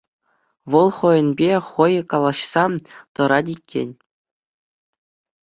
Вӑл хӑйӗнпе хӑй калаҫса тӑрать иккен.